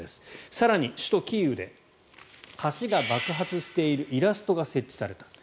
更に、首都キーウで橋が爆発しているイラストが設置されたと。